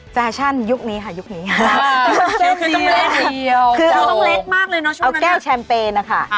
แฟชั่นยุคนี้ค่ะยุคนี้ค่ะคือเอาต้องเล็กมากเลยเนอะเอาแก้วแชมเปญนะคะ